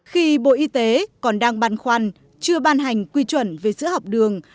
khi bộ y tế còn đang bàn khoăn chưa ban hành quy truẩn về sữa học đường